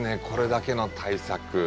これだけの大作。